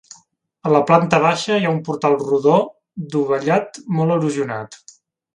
A la planta baixa hi ha un portal rodó dovellat molt erosionat.